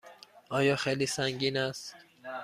آیا خیلی سنگین است؟